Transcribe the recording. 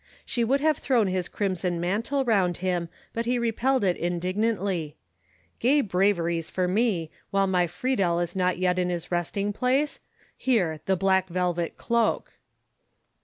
She would have thrown his crimson mantle round him, but he repelled it indignantly. "Gay braveries for me, while my Friedel is not yet in his resting place? Here—the black velvet cloak."